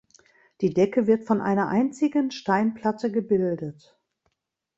Die Decke wird von einer einzigen Steinplatte gebildet.